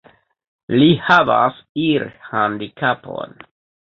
Li havas irhandikapon.